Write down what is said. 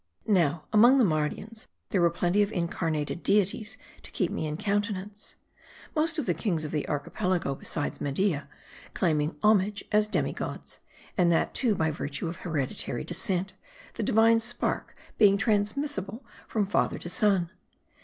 Now, among the Mardians there were plenty of incar nated deities to keep me in countenance. Most of the kings of the Archipelago, besides Media, claiming homage as demi gods ; and that, too, by virtue of hereditary de scent, the divine spark being transmissable from father to son.